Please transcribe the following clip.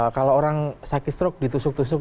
kalau orang sakit struk ditusuk tusuk